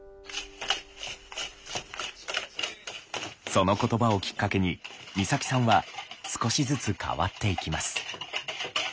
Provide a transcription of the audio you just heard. その言葉をきっかけに光沙季さんは少しずつ変わっていきます。